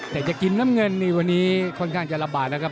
แต่จะกินน้ำเงินนี่วันนี้ค่อนข้างจะลำบากแล้วครับ